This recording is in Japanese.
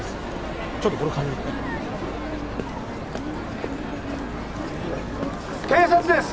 ちょっとこれ借りるはい警察です！